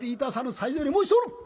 最前より申しておる。